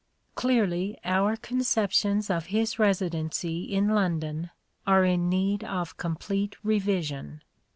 Clearly our conceptions of his residency in London are in need of complete revision.